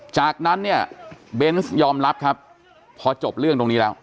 จากนั้นเนี่ยเบนส์ยอมรับครับพอจบเรื่องตรงนี้แล้ว